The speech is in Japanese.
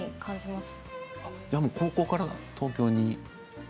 じゃあもう高校から東京に。